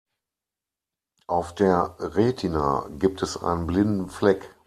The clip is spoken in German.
Auf der Retina gibt es einen blinden Fleck.